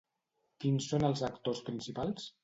Quins són els actors principals?